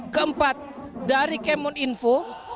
keempat dari kemun info